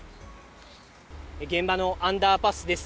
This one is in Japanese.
現場のアンダーパスです。